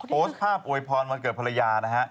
โพสต์ภาพอวยพรวันเกิดภรรยานะฮะ